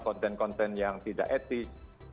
konten konten yang tidak etis